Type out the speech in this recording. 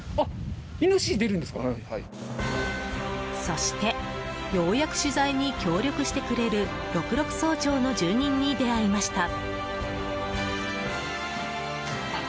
そして、ようやく取材に協力してくれる六麓荘町の住人に出会いました。